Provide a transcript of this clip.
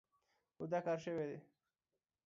هو، دا کار شوی دی.